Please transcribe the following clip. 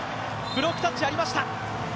ブロックタッチ、ありました。